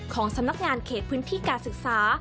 สำนักงานเขตพื้นที่การศึกษา